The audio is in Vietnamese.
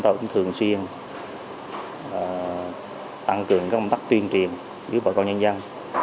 chúng tôi cũng thường xuyên tăng cường các công tác tuyên trìm giữa bà con nhân dân